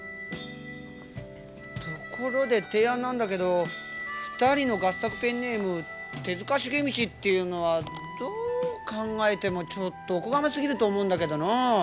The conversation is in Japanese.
ところで提案なんだけど２人の合作ペンネーム手塚茂道っていうのはどう考えてもちょっとおこがますぎると思うんだけどな。